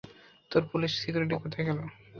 তোর police security কোথায় গেলো?